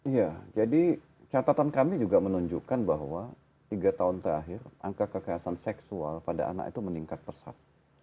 iya jadi catatan kami juga menunjukkan bahwa tiga tahun terakhir angka kekerasan seksual pada anak itu meningkat pesat